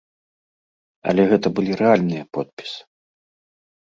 Але гэта былі рэальныя подпісы.